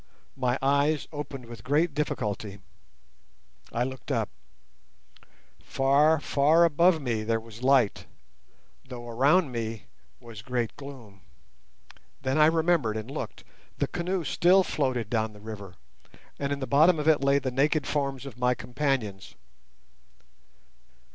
My eyes opened with great difficulty. I looked up. Far, far above me there was light, though around me was great gloom. Then I remembered and looked. The canoe still floated down the river, and in the bottom of it lay the naked forms of my companions.